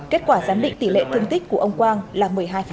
kết quả giám định tỷ lệ thương tích của ông quang là một mươi hai